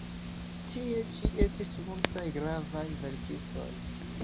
Tie ĉi estis multaj gravaj verkistoj.